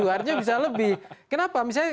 artinya bisa lebih kenapa misalnya